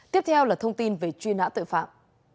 tiếp theo là thông tin về truy nã tội phạm